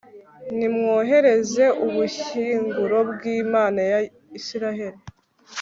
nimwohereze ubushyinguro bw'imana ya israheli